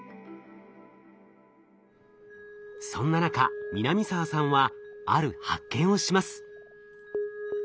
そんな中南澤さんはある発見をします。